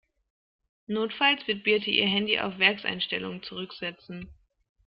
Notfalls wird Birte ihr Handy auf Werkseinstellungen zurücksetzen.